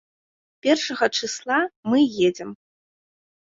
Першага чысла мы едзем.